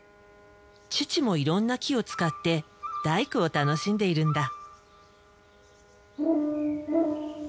父もいろんな木を使って大工を楽しんでいるんだ。